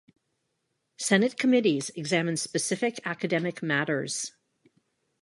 Senate committees examine specific academic matters.